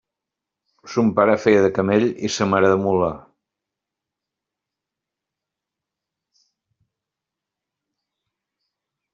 Son pare feia de camell i sa mare de mula.